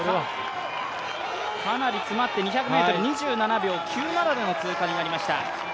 かなり詰まって２００ｍ、２９秒９７での通過となりました。